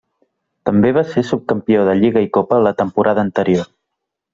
També va ser subcampió de Lliga i Copa la temporada anterior.